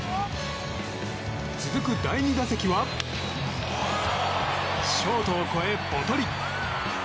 続く第２打席はショートを越え、ぽとり。